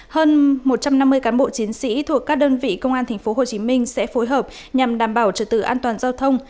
hơn một trăm năm mươi cán bộ chiến sĩ thuộc các đơn vị công an tp hcm sẽ phối hợp nhằm đảm bảo trật tự an toàn giao thông